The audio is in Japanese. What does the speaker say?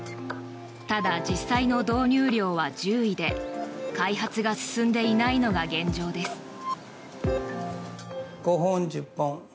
ただ、実際の導入量は１０位で開発が進んでいないのが現状です。